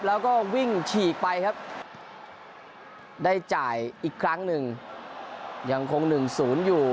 แล้วก็วิ่งฉีกไปครับได้จ่ายอีกครั้งหนึ่งยังคงหนึ่งศูนย์อยู่